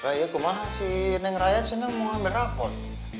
raya si nek raya seneng mau ambil rapot